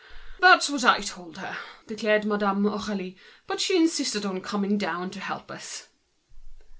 "That's what I told her," declared Madame Aurélie, "but she insisted on coming down to help us."